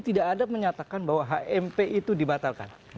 tidak ada menyatakan bahwa hmp itu dibatalkan